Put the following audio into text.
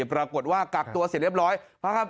ปรากฏว่ากักตัวเสร็จเรียบร้อย